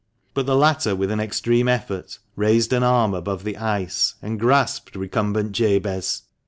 But the latter with an extreme effort raised an arm above the ice, and grasped recumbent Jabez.